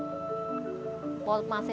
dibantulah manager mungkami usaha usaha kecil